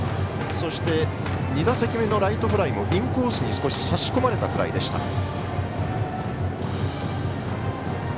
そして、２打席目のライトフライもインコースに少し差し込まれたフライでした。